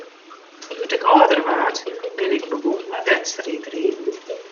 Doe't ik âlder waard, bin ik begûn mei wedstriidriden.